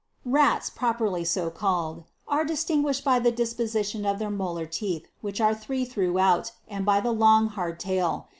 33. RATS PROPERLY so CALLED, are distinguished by the disposi tion of their molar teeth, which are three throughout, and by the long, hard tail.